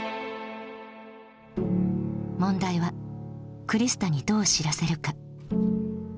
問題はクリスタにどう知らせるか。